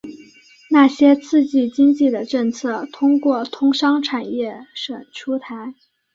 那些刺激经济的政策通过通商产业省出台。